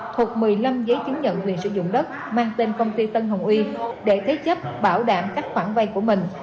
thuộc một mươi năm giấy chứng nhận quyền sử dụng đất mang tên công ty tân hồng uy để thế chấp bảo đảm các khoản vay của mình